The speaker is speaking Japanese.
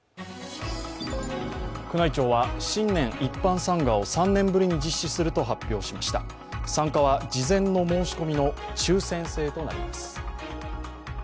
宮内庁は新年一般参賀を３年ぶりに実施すると発表しました参加は事前の申し込みの抽選制となります。